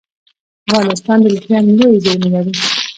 افغانستان د لیتیم لویې زیرمې لري